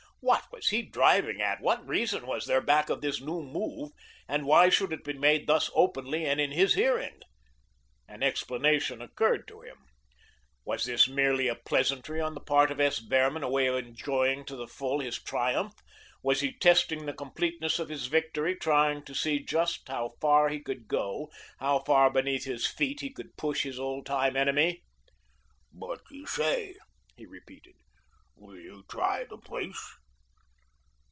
What was he driving at? What reason was there back of this new move, and why should it be made thus openly and in his hearing? An explanation occurred to him. Was this merely a pleasantry on the part of S. Behrman, a way of enjoying to the full his triumph; was he testing the completeness of his victory, trying to see just how far he could go, how far beneath his feet he could push his old time enemy? "What do you say?" he repeated. "Will you try the place?"